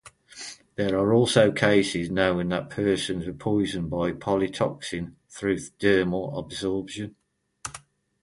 There are also cases known that persons were poisoned by palytoxin through dermal absorption.